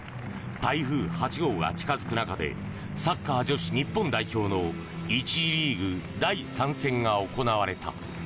台風８号が近付く中でサッカー女子日本代表の１次リーグ第３戦が行われた。